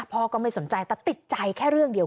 พ่อก็ไม่สนใจแต่ติดใจแค่เรื่องเดียว